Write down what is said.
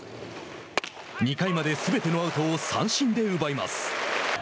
２回まですべてのアウトを三振で奪います。